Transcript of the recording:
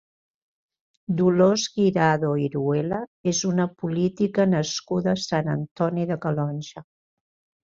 Dolors Guirado Iruela és una política nascuda a Sant Antoni de Calonge.